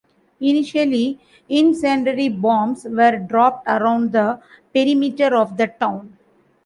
Initially, incendiary bombs were dropped around the perimeter of the town.